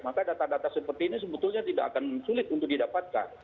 maka data data seperti ini sebetulnya tidak akan sulit untuk didapatkan